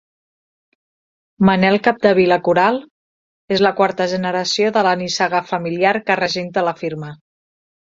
Manel Capdevila Coral és la quarta generació de la nissaga familiar que regenta la firma.